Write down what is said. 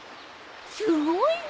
すごいね。